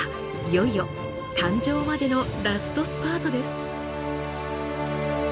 いよいよ誕生までのラストスパートです。